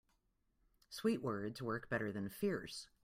Sweet words work better than fierce.